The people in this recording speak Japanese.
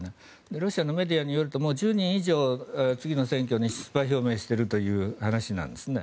ロシアのメディアによると１０人以上、次の選挙に出馬表明しているという話なんですね。